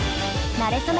なれそめ！